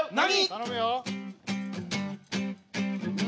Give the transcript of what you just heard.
何！